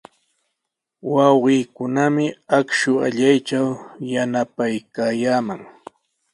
Wawqiikunami akshu allaytraw yanapaykaayaaman.